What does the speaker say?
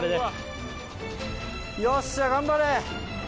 よっしゃ頑張れ！